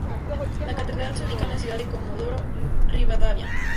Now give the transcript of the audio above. La catedral se ubica en la ciudad de Comodoro Rivadavia.